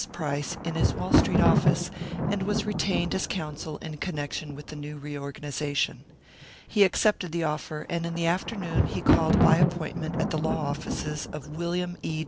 Price in his Wall Street office, and was retained as counsel in connection with the new reorganisation. He accepted the offer, and in the afternoon he called by appointment at the law offices of William E.